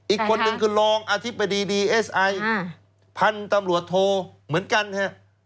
อีกคนนึงคือรองอธิบดีดีเอสไอพันธุ์ตำรวจโทเหมือนกันฮะ